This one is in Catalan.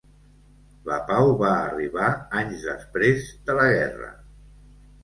La pau va arribar anys després de la guerra.